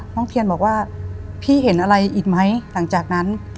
เทียนบอกว่าพี่เห็นอะไรอีกไหมหลังจากนั้น